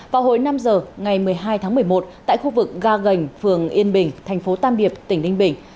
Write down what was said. vào hồi năm giờ ngày một mươi hai tháng một mươi một tại khu vực ga gành phường yên bình thành phố tam điệp tỉnh ninh bình